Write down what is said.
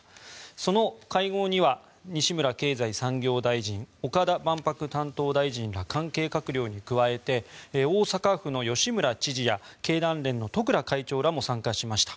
その会合には西村経済産業大臣岡田万博担当大臣ら関係閣僚に加えて大阪府の吉村知事や経団連の十倉会長も出席しました。